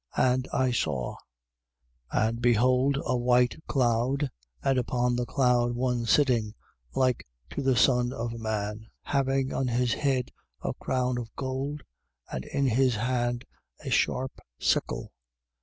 And I saw: and behold a white cloud and upon the cloud one sitting like to the Son of man, having on his head a crown of gold and in his hand a sharp sickle.